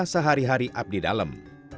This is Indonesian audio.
sehari hari abdi dalam